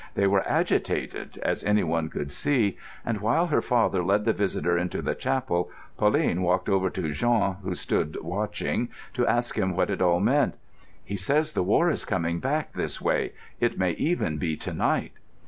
They were agitated, as anyone could see, and while her father led the visitor into the chapel Pauline walked over to Jean, who stood watching, to ask him what it all meant. "He says the war is coming back this way: it may even be to night."